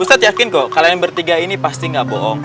ustadz yakin kok kalian bertiga ini pasti gak bohong